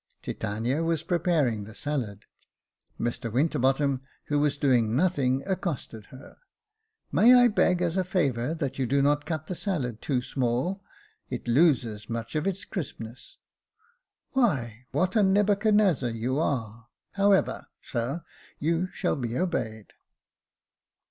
Titania was preparing the salad. Mr Winter bottom, who was doing nothing, accosted her ;" May I beg as a favour that you do not cut the salad too small ? It loses much of its crispness." " Why, what a Nebuchadnezzar you are ! However, sir, you shall be obeyed."